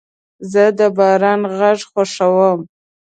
زه د باران غږ خوښوم.